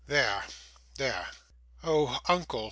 There there.' 'Oh, uncle!